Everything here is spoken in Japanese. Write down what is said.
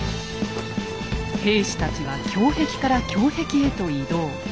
兵士たちは胸壁から胸壁へと移動。